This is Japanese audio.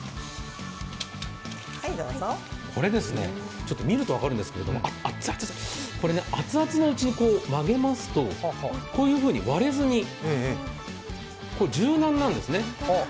これですね見ると分かるんですけど熱々のうちに曲げますとこういうふうに割れずに柔軟なんですね。